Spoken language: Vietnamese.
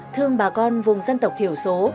thương bà con vùng dân tộc thiểu số